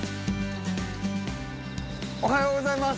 おはようございます！